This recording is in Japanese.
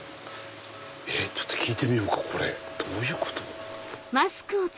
ちょっと聞いてみようかこれどういうこと？